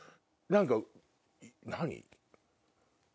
何か何？